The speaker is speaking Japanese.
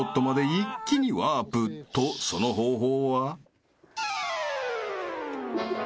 ［とその方法は？］